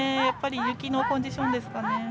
やっぱり雪のコンディションですかね。